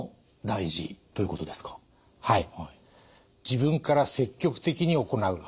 自分から積極的に行う。